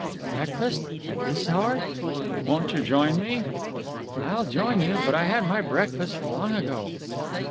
"Breakfast! At this hour?" "Won't you join me?" "I'll join you. But I had my breakfast long ago."